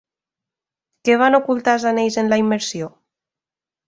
Què van ocultar els anells en la immersió?